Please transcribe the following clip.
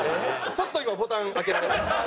ちょっと今ボタン開けられました。